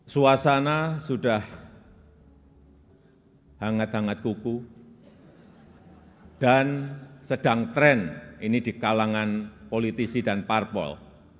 suasana sudah hangat hangat kuku dan sedang tren ini di kalangan politisi dan parpol